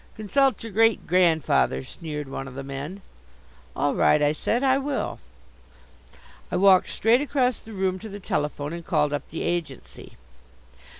"Consult your great grandfather!" sneered one of the men. "All right," I said, "I will." I walked straight across the room to the telephone and called up the agency.